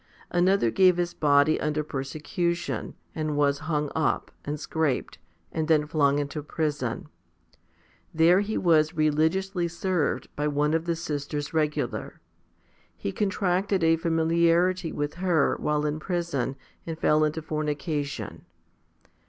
Another gave his body under persecution, and was hung up, and scraped, and then flung into prison. There he was religiously served by one of the sisters regular. He contracted a familiarity with her, while in prison, and fell into fornication.